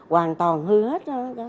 hoàn toàn hư hết